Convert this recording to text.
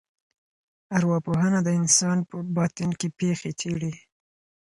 ارواپوهنه د انسان په باطن کي پېښي څېړي.